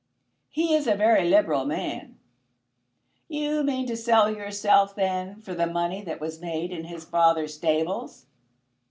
"He is a very liberal man." "You mean to sell yourself, then, for the money that was made in his father's stables?"